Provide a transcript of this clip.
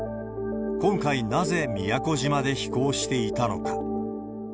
今回、なぜ宮古島で飛行していたのか。